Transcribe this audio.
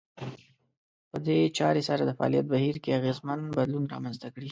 په دې چارې سره د فعاليت بهير کې اغېزمن بدلون رامنځته کړي.